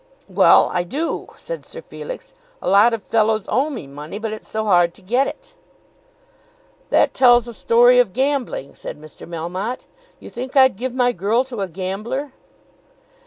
"Well, I do," said Sir Felix. "A lot of fellows owe me money, but it's so hard to get it." "That tells a story of gambling," said Mr. Melmotte. "You think I'd give my girl to a gambler?"